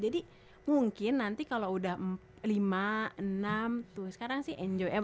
jadi mungkin nanti kalo udah lima enam tuh sekarang sih enjoy